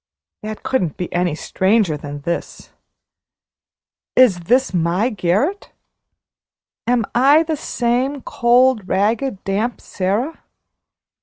That couldn't be any stranger than this. Is this my garret? Am I the same cold, ragged, damp Sara?